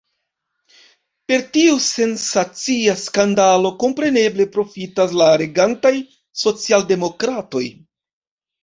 Per tiu sensacia skandalo kompreneble profitas la regantaj socialdemokratoj.